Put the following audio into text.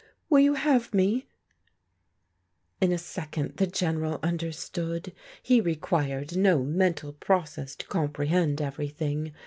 Wai you have me ?" In a second the General understood. He required no mental process to comprehend everything.